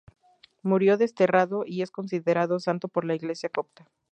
Murió desterrado y es considerado santo por la Iglesia copta.